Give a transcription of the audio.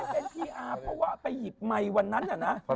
เป็นพีอาร์เพราะว่าไปหยิบไมค์วันนั้นน่ะนะ